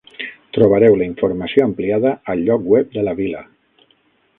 Trobareu la informació ampliada al lloc web de la vila.